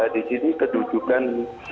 di sini kedudukan